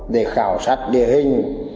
để khảo sát địa hình